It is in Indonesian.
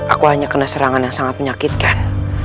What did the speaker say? aku hanya kena serangan yang sangat menyakitkan